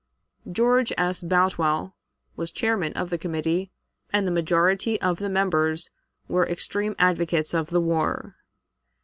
George S. Boutwell was chairman of the committee, and the majority of the members were extreme advocates of the war.